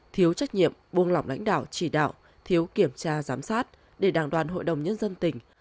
thiếu trách nhiệm buông lỏng lãnh đạo chỉ đạo thiếu kiểm tra giám sát để đảng đoàn hội đồng nhân dân tỉnh